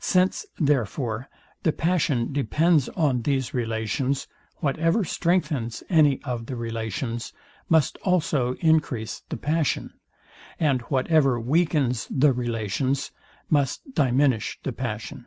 Since therefore the passion depends on these relations, whatever strengthens any of the relations must also encrease the passion, and whatever weakens the relations must diminish the passion.